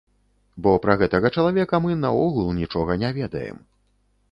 Бо пра гэтага чалавека мы наогул нічога не ведаем.